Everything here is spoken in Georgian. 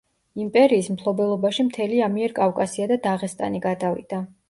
იმპერიის მფლობელობაში მთელი ამიერკავკასია და დაღესტანი გადავიდა.